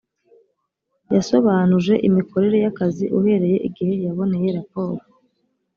yasobanuje imikorere y’akazi uhereye igihe yaboneye raporo